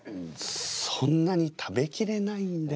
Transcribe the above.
そんなに食べきれないんで。